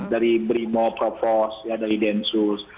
dari brimo propos dari densus